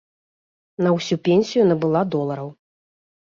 На ўсю пенсію набыла долараў.